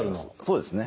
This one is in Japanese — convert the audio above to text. そうですね。